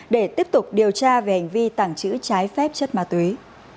để tiếp tục điều tra về hành vi tảng chữ trái phép chất lượng